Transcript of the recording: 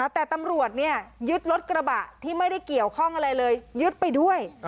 แต่ตำรวจยึดรถกระบะที่ไม่ได้เกี่ยวข้องอะไรเลยยึดไปด้วย